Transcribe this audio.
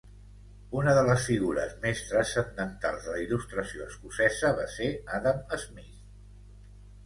Una de les figures més transcendentals de la Il·lustració escocesa va ser Adam Smith.